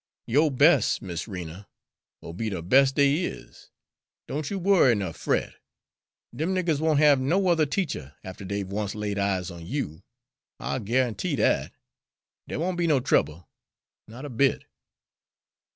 "Yo' bes', Miss Rena,'ll be de bes' dey is. Don' you worry ner fret. Dem niggers won't have no other teacher after dey've once laid eyes on you: I'll guarantee dat. Dere won't be no trouble, not a bit."